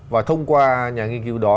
và thông qua nhà nghiên cứu đó